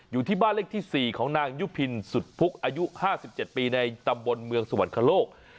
อยู่ที่บ้านเลขที่๔ของนางยุพินสุดพุกอายุ๕๗ปีในตำบลเมืองสวรรคโลก